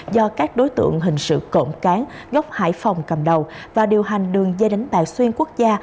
do các đối tượng hình sự cộng cán gốc hải phòng cầm đầu và điều hành đường dây đánh tài xuyên quốc gia